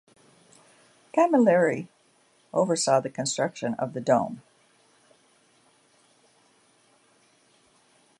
Camilleri oversaw the construction of the dome.